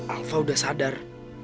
alva udah sadar